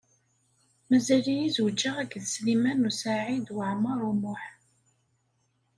Mazal-iyi zewjeɣ akked Sliman U Saɛid Waɛmaṛ U Muḥ.